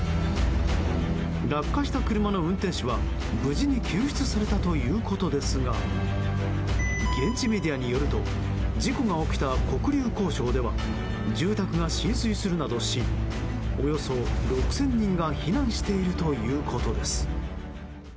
落下した車の運転手は、無事に救出されたということですが現地メディアによると事故が起きた黒竜江省では住宅が浸水するなどしおよそ６０００人が避難しているということです。